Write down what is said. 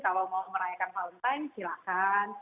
kalau mau merayakan valentine's silakan